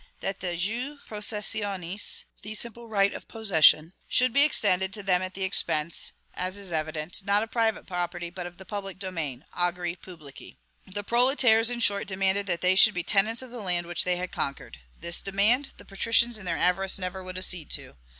That the jus possessionis the simple right of possession should be extended to them at the expense, as is evident, not of private property, but of the public domain, agri publici. The proletaires, in short, demanded that they should be tenants of the land which they had conquered. This demand, the patricians in their avarice never would accede to.